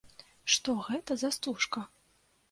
Што гэта за стужка?